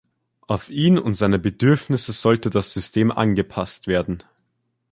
Auf ihn und seine Bedürfnisse sollte das System angepasst werden.